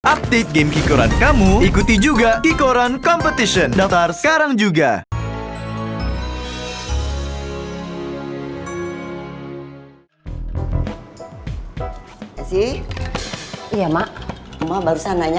update game kikoran kamu ikuti juga kikoran competition